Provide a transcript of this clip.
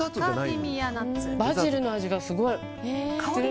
バジルの味がすごい。